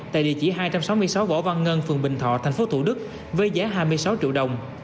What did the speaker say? một nghìn chín trăm bảy mươi bảy tại địa chỉ hai trăm sáu mươi sáu võ văn ngân phường bình thọ thành phố thủ đức với giá hai mươi sáu triệu đồng